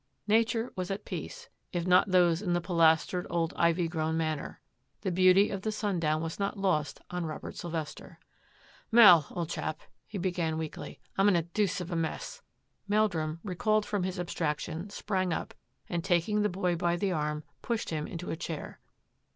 Nature was at peace, if not those in the pilastered old ivy grown Manor. The beauty of the sundown was lost on Robert Sylvester. " Mel, old chap," he began weakly, " I'm in a deuce of a mess !" Meldrum, recalled from his abstraction, sprang up, and taking the boy by the arm, pushed him into a chair.